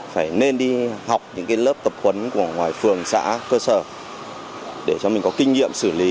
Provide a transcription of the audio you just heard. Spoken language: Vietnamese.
phải nên đi học những lớp tập huấn của ngoài phường xã cơ sở để cho mình có kinh nghiệm xử lý